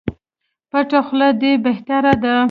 پټه خوله دي بهتري ده